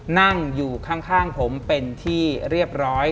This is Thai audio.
นั่งอยู่ข้างผมเป็นที่เรียบร้อย